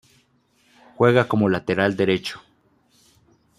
Juega como lateral derecho.